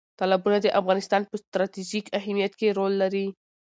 تالابونه د افغانستان په ستراتیژیک اهمیت کې رول لري.